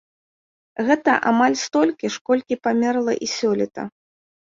Гэта амаль столькі ж, колькі памерла і сёлета.